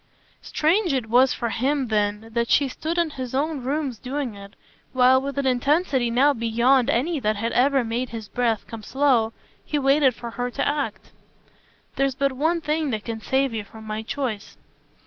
Strange it was for him then that she stood in his own rooms doing it, while, with an intensity now beyond any that had ever made his breath come slow, he waited for her act. "There's but one thing that can save you from my choice."